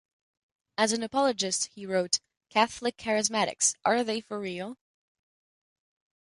As an apologist he wrote Catholic Charismatics: Are They for Real?